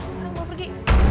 sekarang mau pergi